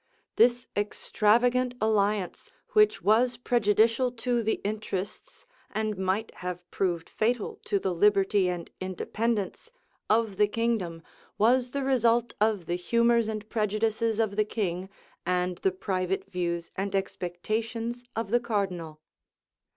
This extravagant alliance, which was prejudicial to the interests, and might have proved fatal to the liberty and independence, of the kingdom, was the result of the humors and prejudices of the king, and the private views and expectations of the cardinal.